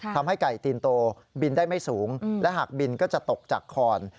ทำให้ไก่ตีนโตบินได้ไม่สูงและหากบินก็จะตกจากคอน